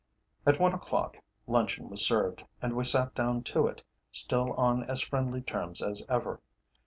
At one o'clock luncheon was served, and we sat down to it, still on as friendly terms as ever.